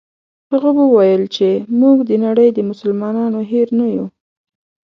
هغه وویل چې موږ د نړۍ د مسلمانانو هېر نه یو.